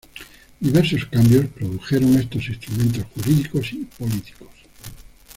Diversos cambios produjeron estos instrumentos jurídicos y políticos.